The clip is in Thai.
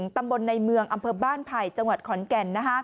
ตำบลในเมืองอำเภอบ้านไผ่จังหวัดขอนแก่น